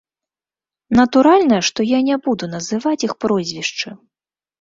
Натуральна, што я не буду называць іх прозвішчы.